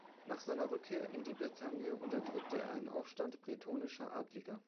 Nach seiner Rückkehr in die Bretagne unterdrückte er einen Aufstand bretonischer Adliger.